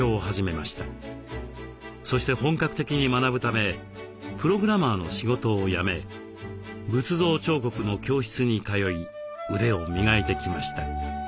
そして本格的に学ぶためプログラマーの仕事を辞め仏像彫刻の教室に通い腕を磨いてきました。